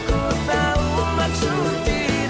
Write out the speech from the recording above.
aku tahu maksud dirimu di audi